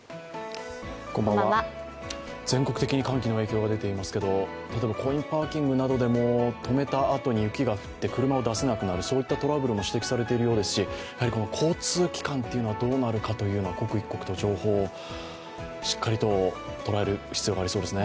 全国的に寒気の影響が出ていますけど、例えばコインパーキングなどでも止めたあとに雪が降って車を出せなくなる、そういったトラブルも指摘されているようですし交通機関はどうなるかというのは刻一刻と情報をしっかりと捉える必要がありそうですね。